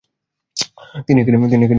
তিনি এখানেই এতক্ষণ ছিলেন বুঝি?